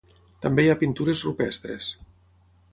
També hi ha pintures rupestres.